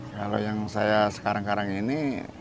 kalau yang saya sekarang sekarang ini